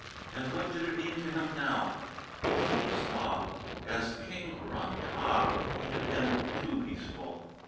And what did it mean to him now? He thought he saw. As King Ram tah he had been too peaceful.